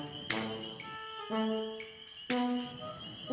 aku juga nggak tau